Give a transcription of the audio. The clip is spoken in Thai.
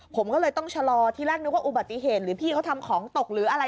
ผมก็เลยต้องชะลอที่แรกนึกว่าอุบัติเหตุหรือพี่เขาทำของตกหรืออะไร